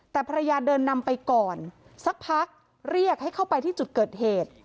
แต่ภรรยาเดินนำไปก่อนสักพักเรียกให้เข้าไปที่จุดเกิดเหตุ